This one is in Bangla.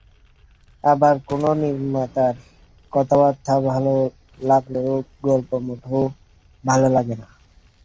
আবার কোনো নির্মাতার কথাবার্তা ভালো লাগলেও গল্প মোটেও ভালো লাগে না।